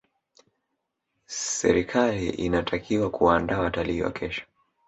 serikaoli inatakiwa kuwaandaa watalii wa kesho